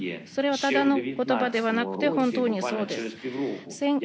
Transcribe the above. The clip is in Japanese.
それはただの言葉ではなくて本当にそうです。